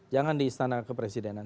jangan di istana kepresidenan